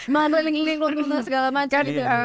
mana ling ling luar luar segala macam